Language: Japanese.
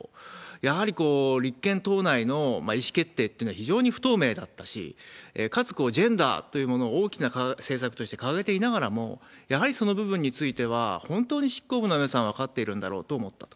やはり立憲党内の意思決定っていうのは非常に不透明だったし、かつ、ジェンダーというものを大きな政策として掲げていながらも、やはりその部分については、本当に執行部の皆さん分かっているんだろうと思ったと。